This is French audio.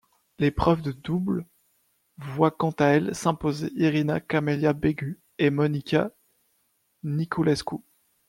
L'épreuve de double voit quant à elle s'imposer Irina-Camelia Begu et Monica Niculescu.